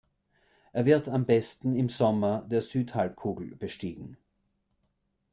Er wird am besten im Sommer der Südhalbkugel bestiegen.